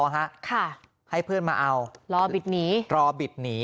ให้เพื่อนมาเอารอบิดหนี